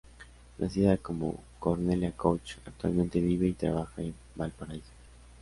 Nacida como Cornelia Koch, actualmente vive y trabaja en Valparaíso.